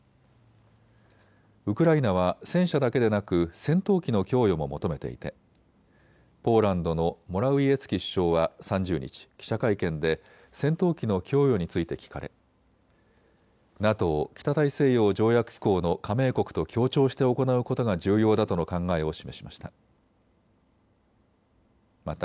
ウクライナは戦車だけでなく戦闘機の供与も求めていてポーランドのモラウィエツキ首相は３０日、記者会見で戦闘機の供与について聞かれＮＡＴＯ・北大西洋条約機構の加盟国と協調して行うことが重要だとの考えを示しました。